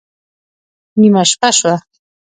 نېمه شپه شوه